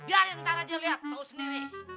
biarin ntar aja liat tau sendiri